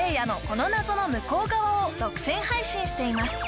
この謎の向こう側！」を独占配信しています